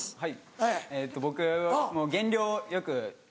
はい。